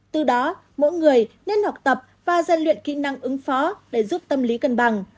từ đó mỗi người nên học tập và gian luyện kỹ năng ứng phó để giúp tâm lý cân bằng